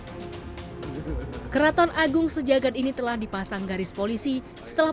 keraton agung sejagat ini telah dipasang garis polisi setelah